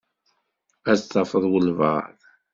Ad tafeḍ walebɛaḍ.